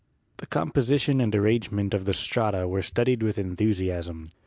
The composition and arrangement of the strata were stud ied with enthusiasm.